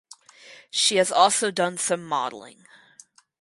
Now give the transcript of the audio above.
She has also done some modeling.